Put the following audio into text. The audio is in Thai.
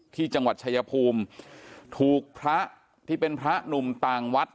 ที่จังหวัดชายภูมิถูกพระที่เป็นพระหนุ่มต่างวัด